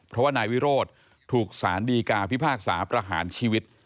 เพราะว่านายวิโรธถูกสารดีกาพิพากษาประหารชีวิต